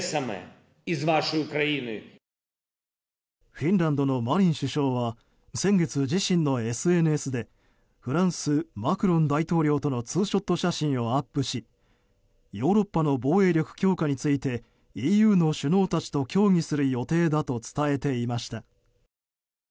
フィンランドのマリン首相は先月、自身のＳＮＳでフランス、マクロン大統領とのツーショット写真をアップしヨーロッパの防衛力強化についてＥＵの首脳たちと協議する予定だと伝えていました。